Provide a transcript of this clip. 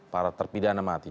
para terpidana mati